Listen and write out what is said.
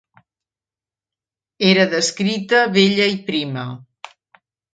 Era descrita vella i prima.